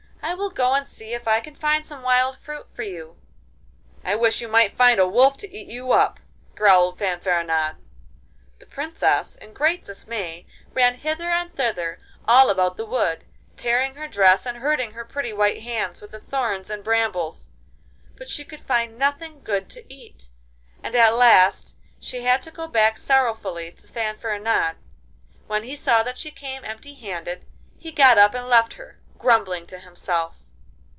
'I will go and see if I can find some wild fruit for you.' 'I wish you might find a wolf to eat you up,' growled Fanfaronade. The Princess, in great dismay, ran hither and thither all about the wood, tearing her dress, and hurting her pretty white hands with the thorns and brambles, but she could find nothing good to eat, and at last she had to go back sorrowfully to Fanfaronade. When he saw that she came empty handed he got up and left her, grumbling to himself.